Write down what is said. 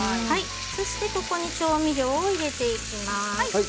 そして、ここに調味料を入れていきます。